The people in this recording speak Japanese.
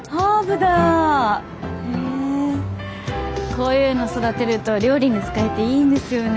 こういうの育てると料理に使えていいんですよねえ。